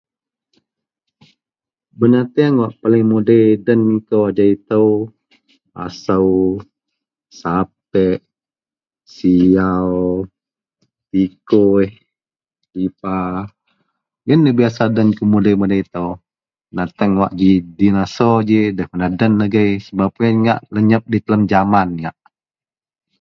Benateang wak paling mudei den kou ajau itou asou, sapek, siyau, tikuih, dipa. Yen biasa den kou mudei-mudei itou. Benateang ji dinasor ji nda penah den agei sebab wak yen ngak lenyep di telan jaman ngak.